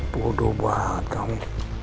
bodoh banget kamu